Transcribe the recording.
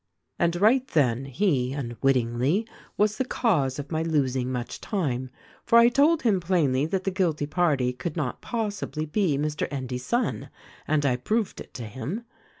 "And right then he, unwitingly, was the cause of my losing much time ; for I told him plainly that the guilty party could not possibly be Mr. Endy's son — and I proved it to him.